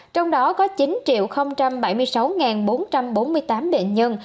trong đó có chín bảy mươi sáu bốn trăm bốn mươi tám bệnh nhân